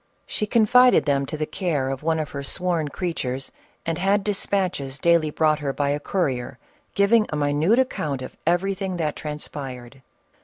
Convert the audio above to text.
She confided them to the care of one of her sworn creatures, and had despatches daily brought her by a courier, giving a minute account of everything that transpired.